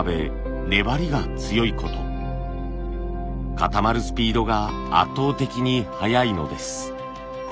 固まるスピードが圧倒的に速いのです。